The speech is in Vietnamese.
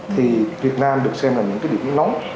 thì việt nam được xem là những cái điểm nóng